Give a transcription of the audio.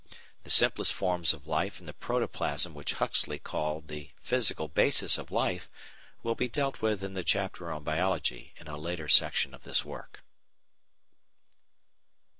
The simplest forms of life and the protoplasm which Huxley called the physical basis of life will be dealt with in the chapter on Biology in a later section of this work.